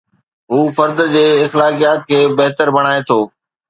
هو فرد جي اخلاقيات کي بهتر بڻائي ٿو.